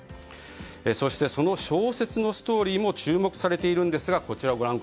そしてその小説のストーリーも注目されています。